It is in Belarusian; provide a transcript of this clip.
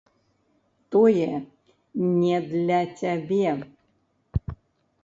Тое не для цябе.